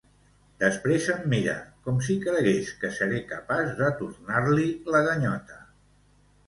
Després em mira, com si cregués que seré capaç de tornar-li la ganyota.